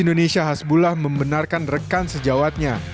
indonesia hasbullah membenarkan rekan sejawatnya